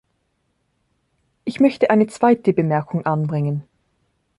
Ich möchte eine zweite Bemerkung anbringen.